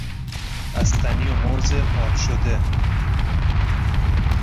بستنی و موز قاچ شده